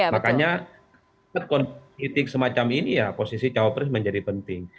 makanya kritik semacam ini ya posisi cawapres menjadi penting